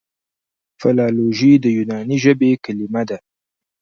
فلالوژي د یوناني ژبي کليمه ده.